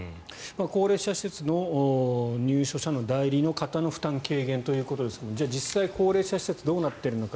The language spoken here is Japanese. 高齢者施設の入所者の代理の方の負担軽減ということですが実際、高齢者施設はどうなっているのか。